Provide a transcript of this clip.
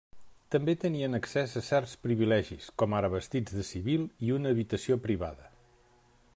També tenien accés a certs privilegis, com ara vestits de civil i una habitació privada.